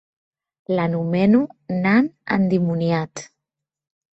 L'anomeno nan endimoniat.